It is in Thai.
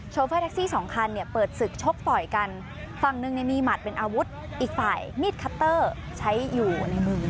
เฟอร์แท็กซี่สองคันเนี่ยเปิดศึกชกต่อยกันฝั่งหนึ่งเนี่ยมีหมัดเป็นอาวุธอีกฝ่ายมีดคัตเตอร์ใช้อยู่ในมือ